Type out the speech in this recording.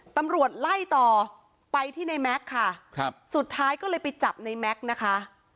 ตำรวจไล่ต่อไปที่ในแม็กซ์ค่ะครับสุดท้ายก็เลยไปจับในแม็กซ์นะคะ